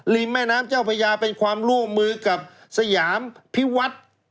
แม่น้ำเจ้าพระยาเป็นความร่วมมือกับสยามพิวัฒน์